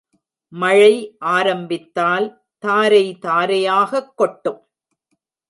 மழை ஆரம்பித்தால் தாரை தாரையாகக் கொட்டும்.